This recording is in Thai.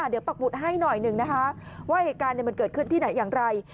เดี๋ยวปักหุดให้หน่อยหนึ่งนะคะว่าเหตุการณ์มันเกิดขึ้นที่ไหนอย่างไร